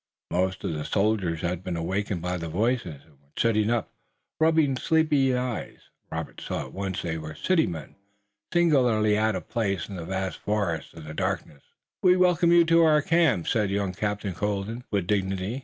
Most of the soldiers had been awakened by the voices, and were sitting up, rubbing sleepy eyes. Robert saw at once that they were city men, singularly out of place in the vast forest and the darkness. "We welcome you to our camp," said young Captain Colden, with dignity.